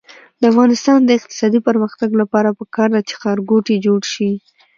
د افغانستان د اقتصادي پرمختګ لپاره پکار ده چې ښارګوټي جوړ شي.